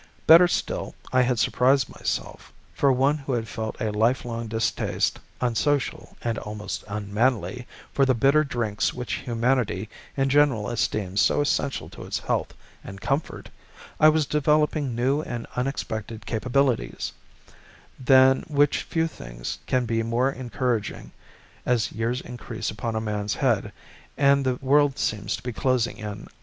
Better still, I had surprised myself. For one who had felt a lifelong distaste, unsocial and almost unmanly, for the bitter drinks which humanity in general esteems so essential to its health and comfort, I was developing new and unexpected capabilities; than which few things can be more encouraging as years increase upon a man's head, and the world seems to be closing in about him.